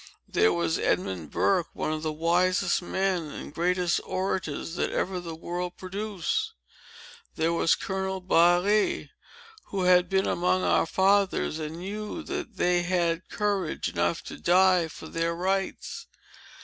There was Edmund Burke, one of the wisest men and greatest orators that ever the world produced. There was Colonel Barré, who had been among our fathers, and knew that they had courage enough to die for their rights.